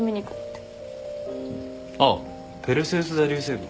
あっペルセウス座流星群。